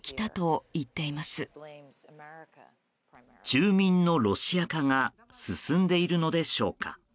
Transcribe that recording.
住民のロシア化が進んでいるのでしょうか。